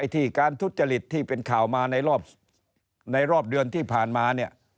ที่การทุจริตที่เป็นข่าวมาในรอบเดือนที่ผ่านมาเนี่ย